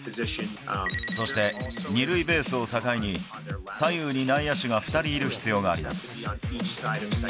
そして２塁ベースを境に、左右に内野手が２人いる必要があります。